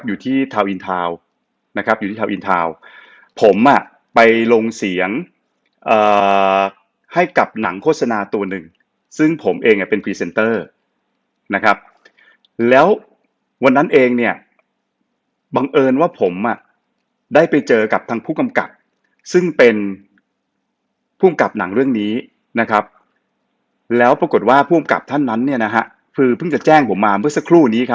อยู่ที่ทาวนอินทาวน์นะครับอยู่ที่ทาวนอินทาวน์ผมอ่ะไปลงเสียงให้กับหนังโฆษณาตัวหนึ่งซึ่งผมเองเป็นพรีเซนเตอร์นะครับแล้ววันนั้นเองเนี่ยบังเอิญว่าผมอ่ะได้ไปเจอกับทางผู้กำกับซึ่งเป็นภูมิกับหนังเรื่องนี้นะครับแล้วปรากฏว่าภูมิกับท่านนั้นเนี่ยนะฮะคือเพิ่งจะแจ้งผมมาเมื่อสักครู่นี้ครับ